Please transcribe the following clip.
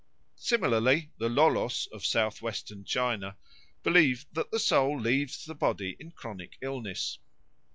Similarly the Lolos of South western China believe that the soul leaves the body in chronic illness.